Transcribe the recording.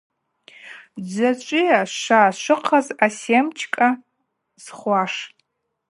Дзачӏвыйа, шва швыхъаз асемчкӏа зхуаш?